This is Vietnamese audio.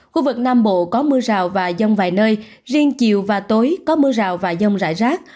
khu vực nam bộ có mưa rào và rông vài nơi riêng chiều và tối có mưa rào và rông rải rác